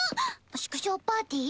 祝勝パーティー？